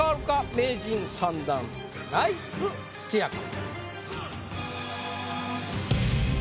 名人３段ナイツ・土屋か？